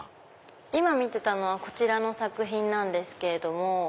今見てたのはこちらの作品なんですけれども。